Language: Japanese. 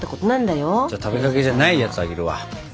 じゃあ食べかけじゃないやつあげるわ。